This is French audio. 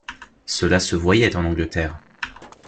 Cela se voyait en Angleterre.